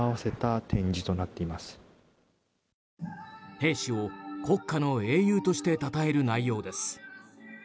兵士を国家の英雄としてたたえる内容です。